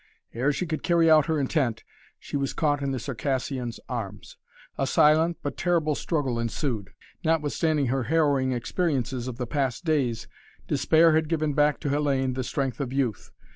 Ere she could carry out her intent, she was caught in the Circassian's arms. A silent, but terrible struggle ensued. Notwithstanding her harrowing experiences of the past days, despair had given back to Hellayne the strength of youth.